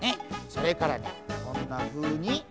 それからねこんなふうに。